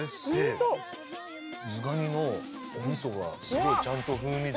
ズガニのお味噌がすごいちゃんと風味で。